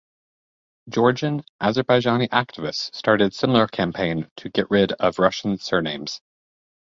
Georgian Azerbaijani activists started similar campaign to get rid of russian surnames.